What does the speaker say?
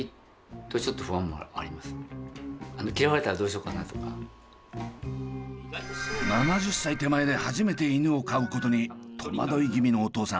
そんな中一人だけ７０歳手前で初めて犬を飼うことに戸惑い気味のお父さん。